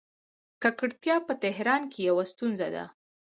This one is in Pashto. ککړتیا په تهران کې یوه ستونزه ده.